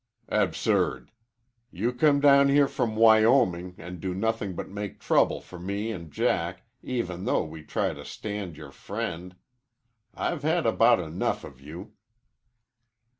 "Absurd. You come down here from Wyoming and do nothing but make trouble for me and Jack even though we try to stand your friend. I've had about enough of you."